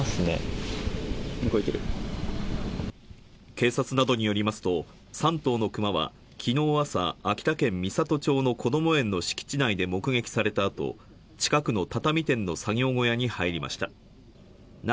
警察などによりますと、３頭のクマはきのう朝、秋田県美郷町のこども園の敷地内で目撃された後、近くの畳店の作業小屋に入りました。